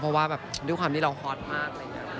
เพราะว่าแบบด้วยความที่เราฮอตมาก